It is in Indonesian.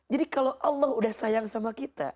jadi kalau allah udah sayang sama kita